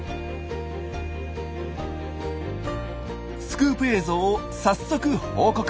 スクープ映像を早速報告。